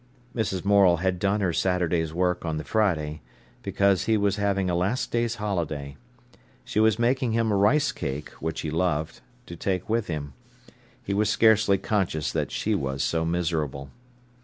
Mrs. Morel had done her Saturday's work on the Friday, because he was having a last day's holiday. She was making him a rice cake, which he loved, to take with him. He was scarcely conscious that she was so miserable.